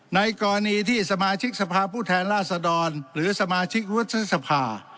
ในกรณีที่สมาชิกสภาพผู้แทนราษดรหรือสมาชิกวุฒิสภา